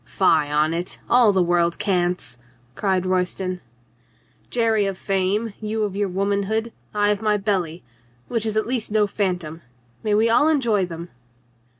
"Fie on it ! All the world cants," cried Royston. "Jerry of fame, you of your womanhood, I of my belly — which is at least no phantom. May we all enjoy them